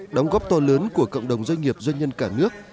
đóng góp to lớn của cộng đồng doanh nghiệp doanh nhân cả nước